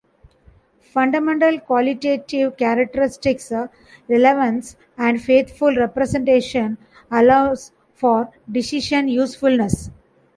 Fundamental qualitative characteristics, relevance and faithful representation allow for decision usefulness.